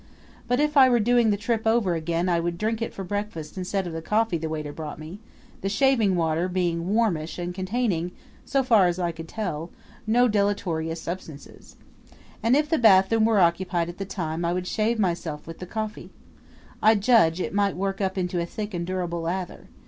But if I were doing the trip over again I would drink it for breakfast instead of the coffee the waiter brought me the shaving water being warmish and containing, so far as I could tell, no deleterious substances. And if the bathroom were occupied at the time I would shave myself with the coffee. I judge it might work up into a thick and durable lather.